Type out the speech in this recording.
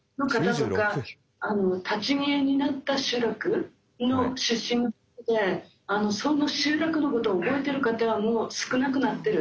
立ち消えになった集落の出身の方でその集落のことを覚えてる方はもう少なくなってる。